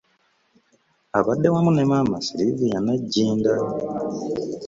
Abadde wamu ne Maama Nnaabagereka Sylvia Nagginda.